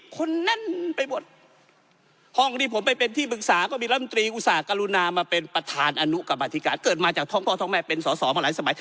คนแน่นไปหมดห้องที่ผมไปเป็นที่ปรึกษาก็มีลำตรีอุตส่าหกรุณามาเป็นประธานอนุกรรมธิการเกิดมาจากท้องพ่อท้องแม่เป็นสอสอมาหลายสมัย